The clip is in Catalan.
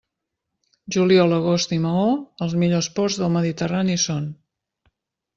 Juliol, agost i Maó, els millors ports del Mediterrani són.